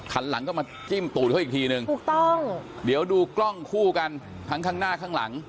คันหลังก็มาจิ้มตูดเขาอีกทีนึงถูกต้องเดี๋ยวดูกล้องคู่กันทั้งข้างหน้าข้างหลัง